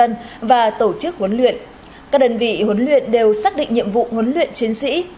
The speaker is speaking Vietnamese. nâng cao chất lượng nguồn nhân lực trong công an nhân dân xác định nhiệm vụ huấn luyện chiến sĩ